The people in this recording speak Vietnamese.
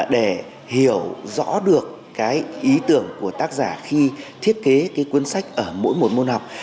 để hiểu rõ được cái ý tưởng của tác giả khi thiết kế cái cuốn sách ở mỗi một môn học